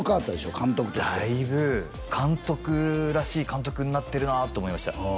監督としてだいぶ監督らしい監督になってるなと思いました